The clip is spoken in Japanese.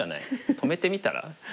止めてみたら？